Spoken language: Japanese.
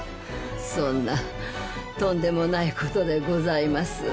そんなとんでもない事でございます。